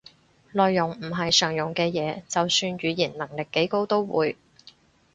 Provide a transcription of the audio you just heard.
內容唔係常用嘅嘢，就算語言能力幾高都會